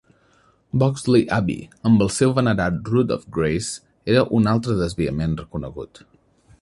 Boxley Abbey, amb el seu venerat Rood of Grace, era un altre desviament reconegut.